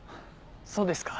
そうですか。